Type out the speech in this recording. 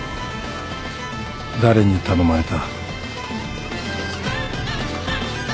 誰に頼まれた？